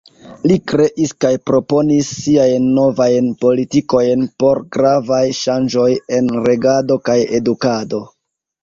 Li kreis kaj proponis siajn Novajn Politikojn por gravaj ŝanĝoj en regado kaj edukado.